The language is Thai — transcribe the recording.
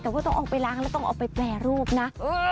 แต่ว่าต้องเอาไปล้างแล้วต้องเอาไปแปรรูปนะ